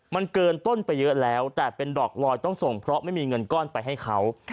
มันเกินต้นไปเยอะแล้วแต่เป็นดอกลอยต้องส่งเพราะไม่มีเงินก้อนไปให้เขา